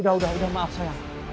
udah udah udah maaf sayang